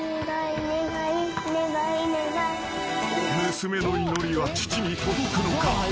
［娘の祈りは父に届くのか？］